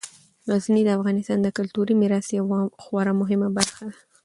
غزني د افغانستان د کلتوري میراث یوه خورا مهمه برخه ده.